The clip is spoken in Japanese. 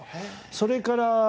それから。